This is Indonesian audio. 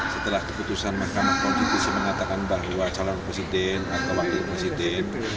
setelah keputusan mahkamah konstitusi mengatakan bahwa calon presiden atau wakil presiden